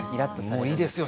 もういいですよ